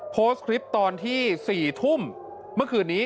โพสต์คลิปตอนที่๔ทุ่มเมื่อคืนนี้